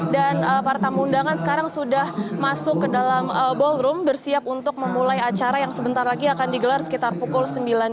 dan partamu undangan sekarang sudah masuk ke dalam ballroom bersiap untuk memulai acara yang sebentar lagi akan digelar sekitar pukul sembilan dua puluh